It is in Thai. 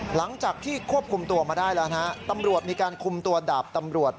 หลังจากที่ควบคุมตัวมาได้แล้วนะฮะตำรวจมีการคุมตัวดาบตำรวจ